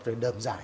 rồi đơm giải